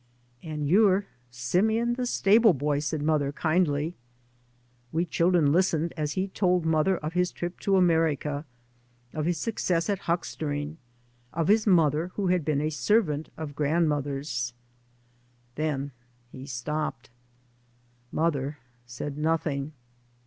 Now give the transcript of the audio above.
" And you're Simeon the stable boy," said mother kindly. We children listened as he told mother of 3 by Google MY MOTHER AND I tiis trip to America, of his success at huckster ing, of bis mother who had been a servant of grandmother's. Then he stopped. Mother said nothing.